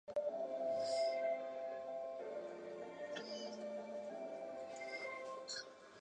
楔和是可结合及可交换的二元运算。